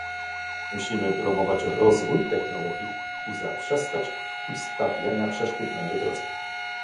Musimy promować rozwój technologii i zaprzestać ustawiania przeszkód na jego drodze